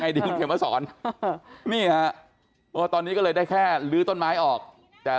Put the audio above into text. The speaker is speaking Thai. ดีคุณเขียนมาสอนนี่ฮะตอนนี้ก็เลยได้แค่ลื้อต้นไม้ออกแต่